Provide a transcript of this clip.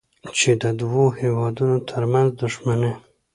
چې د دوو هېوادونو ترمنځ دوښمني